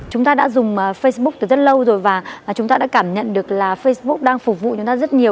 chúng ta đã dùng facebook từ rất lâu rồi và chúng ta đã cảm nhận được là facebook đang phục vụ chúng ta rất nhiều